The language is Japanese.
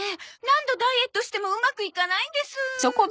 何度ダイエットしてもうまくいかないんです。